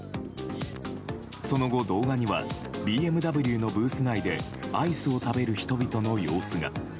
その後、動画にはＢＭＷのブース内でアイスを食べる人々の様子が。